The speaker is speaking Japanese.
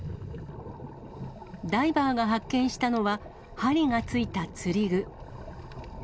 ダイバーが発見したのは、針がついた釣り具。